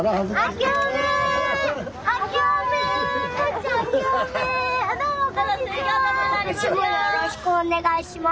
今年もよろしくお願いします。